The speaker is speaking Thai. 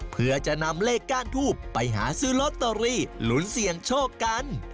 เพื่อจะนำเลขก้านทูบไปหาซื้อลอตเตอรี่หลุนเสี่ยงโชคกัน